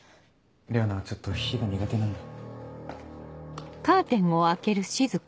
レオナはちょっと火が苦手なんだ。